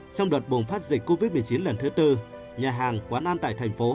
trong đợt bùng phát dịch covid một mươi chín lần thứ tư nhà hàng quán ăn tại thành phố